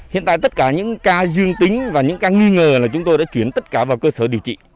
hiện tại tất cả những ca dương tính và những ca nghi ngờ là chúng tôi đã chuyển tất cả vào cơ sở điều trị